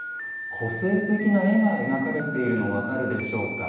個性的な絵が描かれているのが分かるでしょうか。